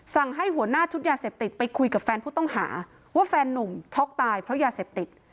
ให้หัวหน้าชุดยาเสพติดไปคุยกับแฟนผู้ต้องหาว่าแฟนนุ่มช็อกตายเพราะยาเสพติด